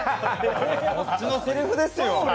こっちのセリフですよ。